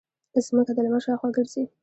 ځمکه د لمر شاوخوا ګرځي